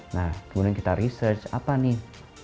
nah kemudian kita research apa nih